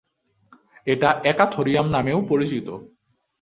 এটা একা-থোরিয়াম নামেও পরিচিত।